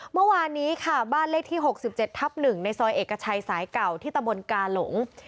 เมื่อวานนี้ค่ะบ้านเลขที่๖๗ทับ๑ในซอยเอกชัยสายเก่าที่ตะบนกาหลง